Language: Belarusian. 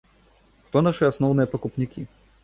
Хто нашы асноўныя пакупнікі?